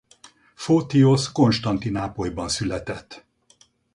Phótiosz Konstantinápolyban született.